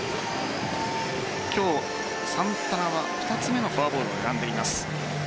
今日、サンタナは２つ目のフォアボールを選んでいます。